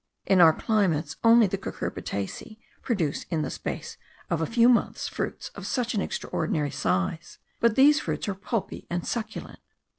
In our climates only the cucurbitaceae produce in the space of a few months fruits of an extraordinary size; but these fruits are pulpy and succulent.